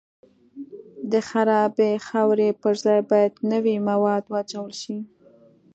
د خرابې خاورې پر ځای باید نوي مواد واچول شي